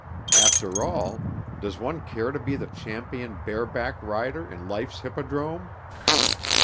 After all, does one care to be the champion bareback rider in life's hippodrome?